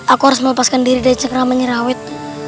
aku harus melepaskan diri dari cengkraman nyirawet